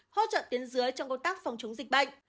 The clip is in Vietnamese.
hỗ trợ tuyến dưới trong công tác phòng chống dịch bệnh